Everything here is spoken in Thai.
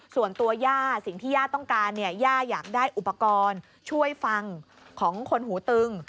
ส่วนตัวย่าสิ่งที่ย่าต้องการเนี่ยย่าอยากได้อุปกรณ์ช่วยฟังของคนหูตึง